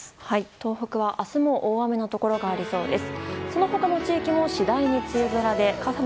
東北は明日も大雨のところがありそうです。